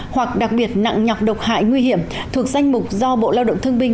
hoặc đặc biệt nặng nhọc độc hại nguy hiểm thuộc danh mục do bộ lao động thương binh